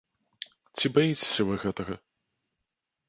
Ці баіцеся вы гэтага?